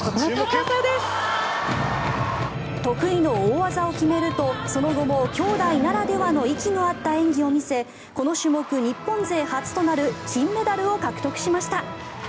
得意の大技を決めるとその後も姉弟ならではの息の合った演技を見せこの種目日本勢初となる金メダルを獲得しました。